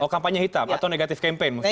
oh kampanye hitam atau negatif campaign mungkin